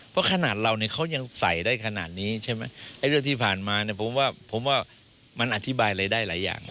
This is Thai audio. เพราะขนาดเราเนี่ยเขายังใส่ได้ขนาดนี้ใช่มั้ย